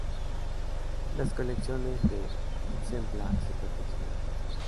Las colecciones de exempla se perfeccionaron.